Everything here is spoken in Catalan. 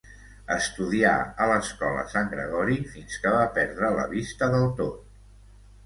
Estudià a l’Escola Sant Gregori fins que va perdre la vista del tot.